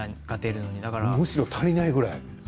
むしろ足りないぐらい。